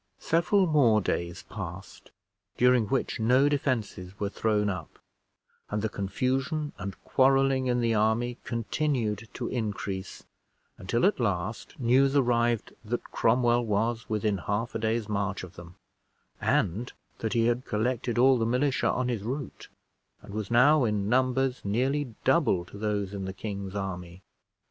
Several more days passed, during which no defenses were thrown up, and the confusion and quarreling in the army continued to increase, until at last news arrived that Cromwell was within half a day's march of them, and that he had collected all the militia on his route, and was now in numbers nearly double to those in the king's army.